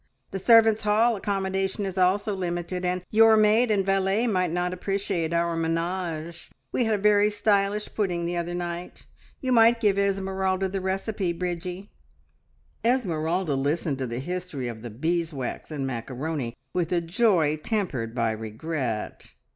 "The servants' hall accommodation is also limited, and your maid and valet might not appreciate our menage. We had a very stylish pudding the other night. You might give Esmeralda the recipe, Bridgie." Esmeralda listened to the history of the beeswax and macaroni with a joy tempered by regret.